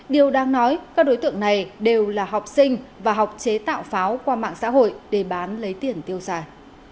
điều đang nói các đối tượng này đều là học sinh và học chế tạo pháo qua mạng xã hội để bán lấy tiền tiêu xài